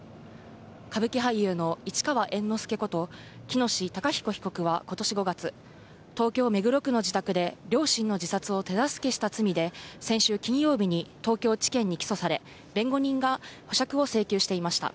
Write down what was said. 歌舞伎俳優の市川猿之助こと、喜熨斗孝彦被告はことし５月、東京・目黒区の自宅で両親の自殺を手助けした罪で、先週金曜日に東京地検に起訴され、弁護人が保釈を請求していました。